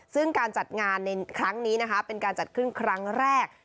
ซึ่งการจัดงานในครั้งนี้นะคะเป็นการจัดขึ้นครั้งแรก